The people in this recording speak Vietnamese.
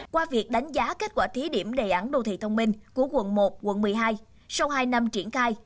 qua việc đánh giá kết quả thí điểm đề án đô thị thông minh của quận một quận một mươi hai sau hai năm triển khai